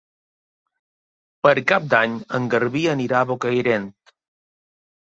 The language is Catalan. Per Cap d'Any en Garbí anirà a Bocairent.